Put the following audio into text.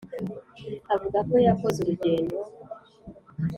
avuga ko yakoze urugendo